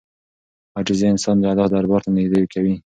عاجزي انسان د الله دربار ته نږدې کوي.